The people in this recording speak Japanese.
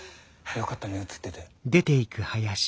よかったね映ってて。